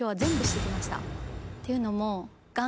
っていうのも。